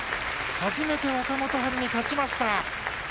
初めて若元春に勝ちました。